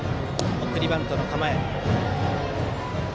送りバントの構え。